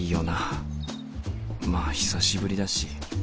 まあ久しぶりだし。